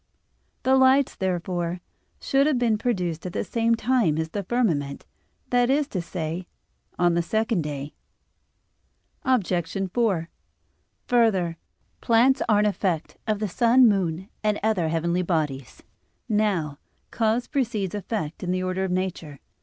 The lights, therefore, should have been produced at the same time as the firmament, that is to say, on the second day. Obj. 4: Further, plants are an effect of the sun, moon, and other heavenly bodies. Now, cause precedes effect in the order of nature.